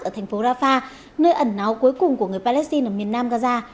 ở thành phố rafah nơi ẩn náu cuối cùng của người palestine ở miền nam gaza